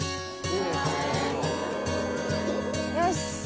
よし！